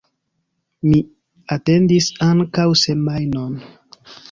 Mi atendis ankaŭ semajnon.